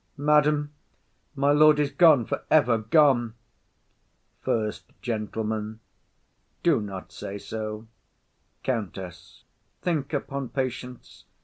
Madam, my lord is gone, for ever gone. SECOND GENTLEMAN. Do not say so. COUNTESS. Think upon patience.